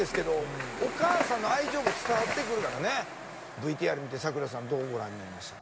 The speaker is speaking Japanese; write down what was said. ＶＴＲ見てさくらさんどうご覧になりました？